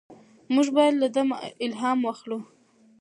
موږ باید له ده الهام واخلو.